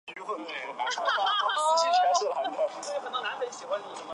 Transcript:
圣索弗。